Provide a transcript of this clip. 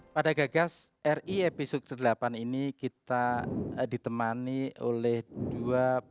pada gagas ri episode delapan ini kita ditemani oleh dua